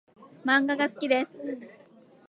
漫画が好きです。